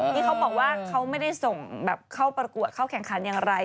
ที่เขาบอกว่าเขาไม่ได้ส่งแบบเข้าประกวดเข้าแข่งขันอย่างไร